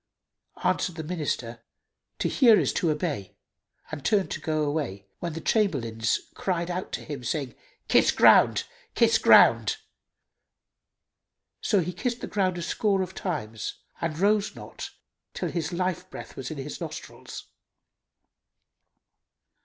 Answered the Minister, "To hear is to obey!" and turned to go away, when the Chamberlains cried out to him, saying, "Kiss ground! Kiss ground!" So he kissed the ground a score of times and rose not till his life breath was in his nostrils.